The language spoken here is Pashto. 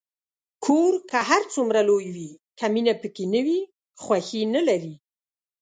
کور که هر څومره لوی وي، که مینه پکې نه وي، خوښي نلري.